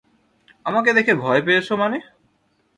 আমাকে দেখে ভয় পেয়েছ মানে?